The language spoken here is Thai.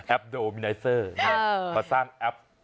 แอปโดมิไนเซอร์มาสร้างแอป